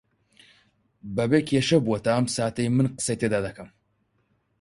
بەبێ کێشە بووە تا ئەم ساتەی من قسەی تێدا دەکەم